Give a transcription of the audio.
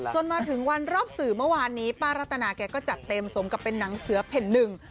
จนมาถึงวันรอบสื่อเมื่อวานนี้ป้ารัตนาแกก็จัดเต็มสมกับเป็นหนังเสือแผ่นหนึ่ง